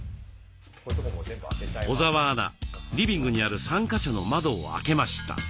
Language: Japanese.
小澤アナリビングにある３か所の窓を開けました。